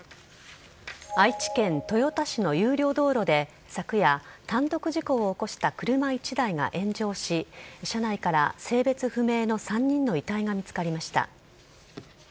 愛知県豊田市の有料道路で昨夜、単独事故を起こした車１台が炎上し、車内から性別不明の３人の遺体が見つかりました。